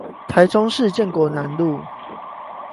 台中市建國南路